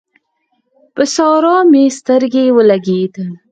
پر سارا مې سترګې ولګېدل